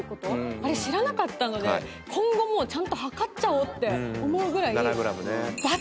あれ知らなかったので今後もちゃんと量っちゃおうって思うぐらい。